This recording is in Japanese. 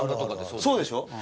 そうでしょ？